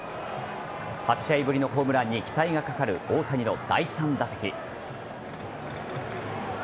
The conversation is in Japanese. ８試合ぶりのホームランに期待がかかる大谷の第３打席。